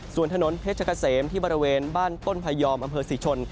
ส่วนถนนเพชรเกษมที่บริเวณบ้านต้นพยอมอำเภอศรีชน